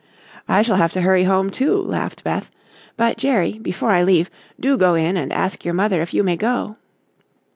"I shall have to hurry home, too," laughed Beth, "but, Jerry, before I leave, do go in and ask your mother if you may go."